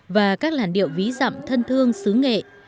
và các làn điệu ví dặm thân thương xứ nghệ